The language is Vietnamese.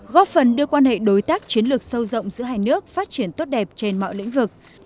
góp phần đưa quan hệ đối tác chiến lược sâu rộng giữa hai nước phát triển tốt đẹp trên mọi lĩnh vực